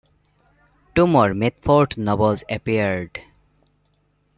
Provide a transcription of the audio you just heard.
Two more Mitford novels appeared.